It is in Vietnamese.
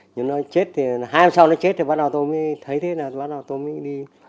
nhưng nó chết thì hai hôm sau nó chết thì bắt đầu tôi mới thấy thế là bắt đầu tôi mới đi